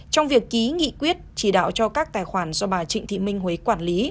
trong việc ký nghị quyết chỉ đạo cho các tài khoản do bà trịnh thị minh huế quản lý